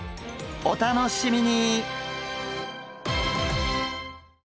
お楽しみに！